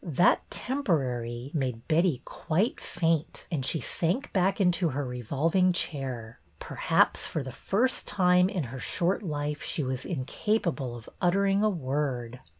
That temporary " made Betty quite faint, and she sank back into her revolving chair. Perhaps for the first time in her short life she was inca pable of uttering a word.